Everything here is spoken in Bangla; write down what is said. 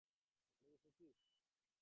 বাড়ি এসেছিস?